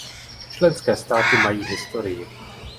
Členské státy mají historii.